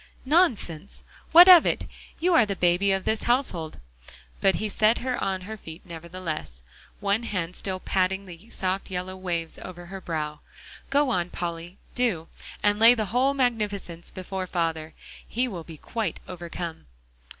"Nonsense! What of it you are the baby of this household." But he set her on her feet nevertheless, one hand still patting the soft yellow waves over her brow. "Go on, Polly, do, and lay the whole magnificence before father. He will be quite overcome."